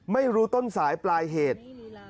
ไม่รู้ต้นสายปลายเหตุ